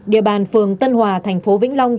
địa bàn phường tân hòa thành phố vĩnh long